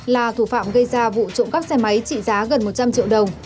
là thủ phạm gây ra vụ trộm cắp xe máy trị giá gần một trăm linh triệu đồng